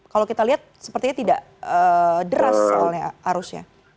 kalau kita lihat sepertinya tidak deras soalnya arusnya